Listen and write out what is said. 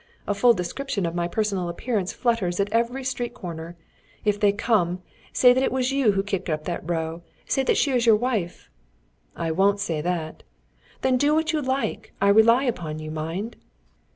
A full description of my personal appearance flutters at every street corner. If they come, say that it was you who kicked up that row; say that she is your wife." "I won't say that." "Then do what you like. I rely upon you, mind!"